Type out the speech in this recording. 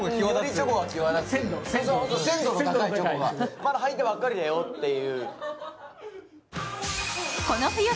まだ入ったばっかりだよっていう。